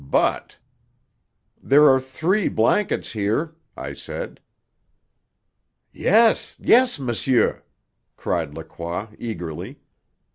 But "There are three blankets here," I said. "Yes, yes, monsieur!" cried Lacroix eagerly.